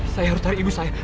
saya harus cari ibu saya